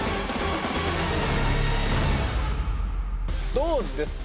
どうですか？